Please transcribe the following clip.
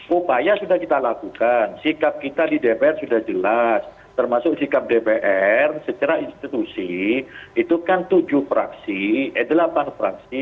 upaya sudah kita lakukan sikap kita di dpr sudah jelas termasuk sikap dpr secara institusi itu kan tujuh fraksi eh delapan fraksi